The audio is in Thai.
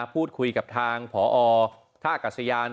พูดคุยกับทางผอท่ากัศยาน